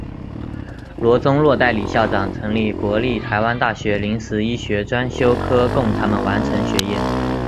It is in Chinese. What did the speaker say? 罗宗洛代理校长成立国立台湾大学临时医学专修科供他们完成学业。